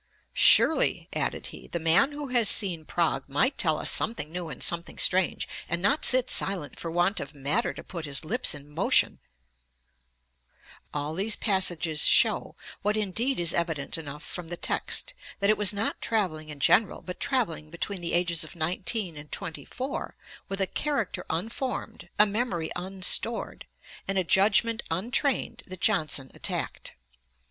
"Surely," added he, "the man who has seen Prague might tell us something new and something strange, and not sit silent for want of matter to put his lips in motion."' Piozzi's Journey, ii. 317. All these passages shew, what indeed is evident enough from the text, that it was not travelling in general but travelling between the ages of nineteen and twenty four, with a character unformed, a memory unstored, and a judgment untrained, that Johnson attacked.